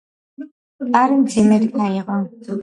კარი მძიმედ გაიღო.